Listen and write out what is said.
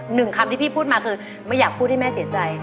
หนึ่งคำที่พี่พูดมาคือไม่อยากพูดให้แม่เสียใจ